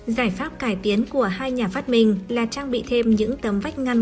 giải pháp cải tiến của hai nhà phát minh là trang bị thêm những tấm vách ngăn